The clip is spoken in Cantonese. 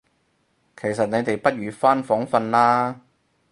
其實你哋不如返房訓啦